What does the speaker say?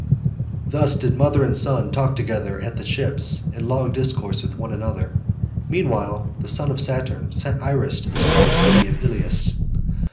Thus did mother and son talk together at the ships in long discourse with one another. Meanwhile the son of Saturn sent Iris to the strong city of Ilius.